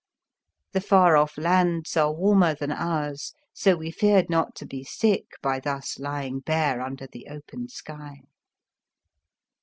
The far off lands are warmer than ours, so we feared not to be sick by thus lying bare under the open sky.